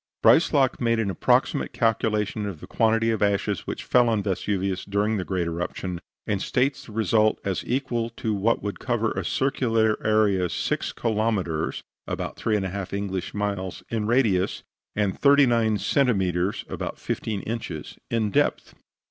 Breislak made an approximate calculation of the quantity of ashes which fell on Vesuvius during this great eruption, and states the result as equal to what would cover a circular area 6 kilometres (about 3 1/2 English miles) in radius, and 39 centimetres (about 15 inches) in depth.